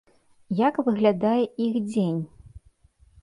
Як выглядае іх дзень?